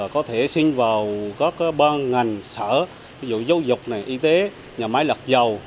có thể xin vào các ban ngành sở ví dụ dâu dục y tế nhà máy lật dầu